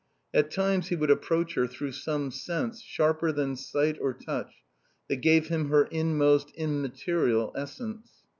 At times he would approach her through some sense, sharper than sight or touch, that gave him her inmost immaterial essence.